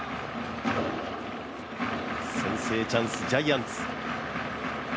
先制のチャンス、ジャイアンツ。